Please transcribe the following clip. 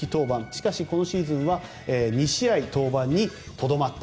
しかし、このシーズンは２試合登板にとどまった。